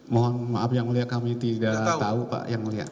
mohon maaf yang mulia kami tidak tahu pak yang melihat